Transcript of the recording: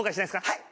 はい！